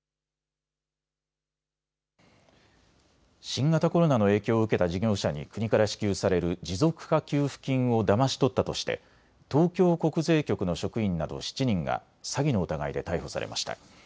新型コロナの影響を受けた事業者に国から支給される持続化給付金をだまし取ったとして東京国税局の職員など７人が詐欺の疑いで逮捕されました。